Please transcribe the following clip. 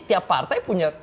tiap partai punya